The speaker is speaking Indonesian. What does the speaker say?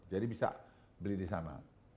jadi bisa beli di sana